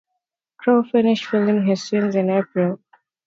Crowe finished filming his scenes in April.